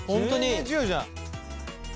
全然ちがうじゃん。